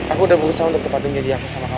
aku udah berusaha untuk tepatin jadi aku sama kamu